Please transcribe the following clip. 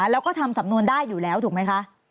แล้วก็ทำสำนวนได้อยู่แล้วถูกไหมคะ